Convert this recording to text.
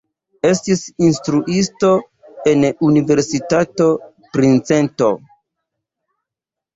Estis instruisto en Universitato Princeton.